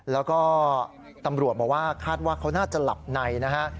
แล้วก็ตำรวจบอกว่าคาดว่าเขาน่าจะหลับในนะฮะ